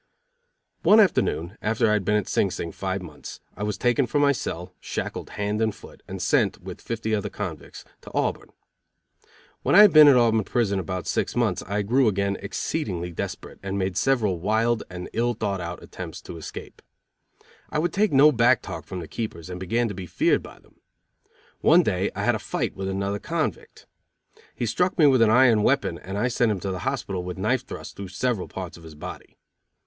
One afternoon, after I had been at Sing Sing five months, I was taken from my cell, shackled hand and foot, and sent, with fifty other convicts, to Auburn. When I had been at Auburn prison about six months I grew again exceedingly desperate, and made several wild and ill thought out attempts to escape. I would take no back talk from the keepers, and began to be feared by them. One day I had a fight with another convict. He struck me with an iron weapon, and I sent him to the hospital with knife thrusts through several parts of his body.